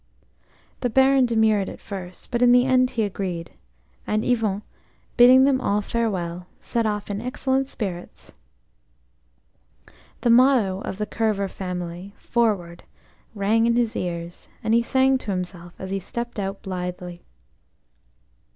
The Baron demurred at first, but in the end he agreed, and Yvon, bidding them all farewell, set off in excellent spirits. The motto of the Kerver family–"Forward!"–rang in his ears, and he sang to himself as he stepped out blithely.